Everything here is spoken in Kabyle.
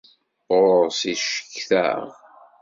Ɣur-s i cektaɣ.